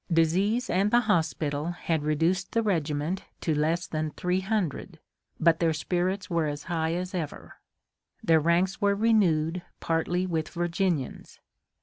Disease and the hospital had reduced the regiment to less than three hundred, but their spirits were as high as ever. Their ranks were renewed partly with Virginians.